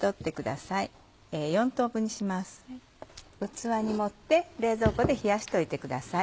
器に盛って冷蔵庫で冷やしておいてください。